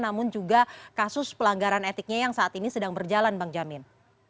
namun juga kasus pelanggaran etiknya yang saat ini sedang berjalan bang jamin